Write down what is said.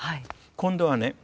今度はね